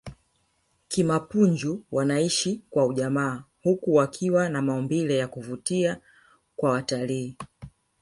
kimapunju wanaishi kwa ujamaa huku wakiwa na maumbile ya kuvutia kwa watalii